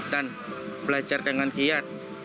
dan belajar dengan kiat